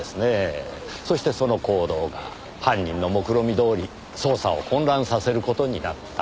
そしてその行動が犯人のもくろみどおり捜査を混乱させる事になった。